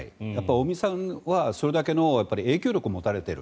尾身さんはそれだけの影響力を持たれている。